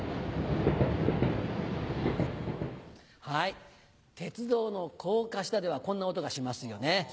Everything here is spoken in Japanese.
はい鉄道の高架下ではこんな音がしますよね。